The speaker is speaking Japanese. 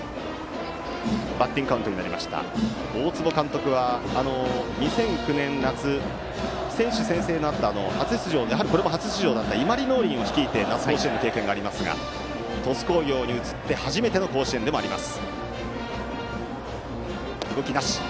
大坪監督は２００９年夏選手宣誓のあったこれも初出場だった伊万里農林を率いて夏甲子園の経験がありますが鳥栖工業に移って初めての甲子園でもあります。